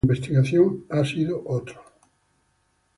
Pero su campo de investigación ha sido otro.